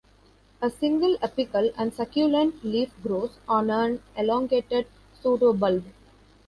A single, apical and succulent leaf grows on an elongated pseudobulb.